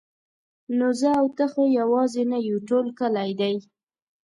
نو زه او ته خو یوازې نه یو ټول کلی دی.